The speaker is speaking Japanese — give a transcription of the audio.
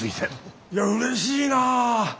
いやうれしいな。